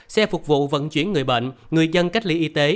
xe phục vụ vận chuyển người bệnh người dân cách ly y tế